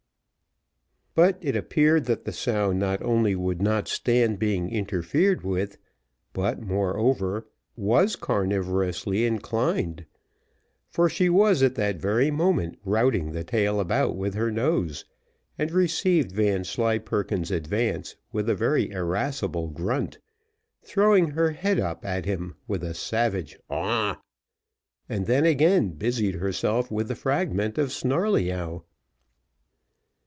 But it appeared that the sow not only would not stand being interfered with, but, moreover, was carnivorously inclined; for she was at that very moment routing the tail about with her nose, and received Vanslyperken's advance with a very irascible grunt, throwing her head up at him with a savage augh; and then again busied herself with the fragment of Snarleyyow.